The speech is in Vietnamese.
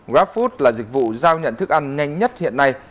grabfood là dịch vụ giao nhận thức ăn nhanh nhất hiện nay